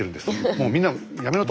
もうみんなやめろと。